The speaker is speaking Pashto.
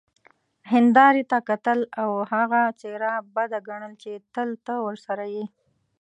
هیندارې ته کتل او هغه څیره بده ګڼل چې تل ته ورسره يې،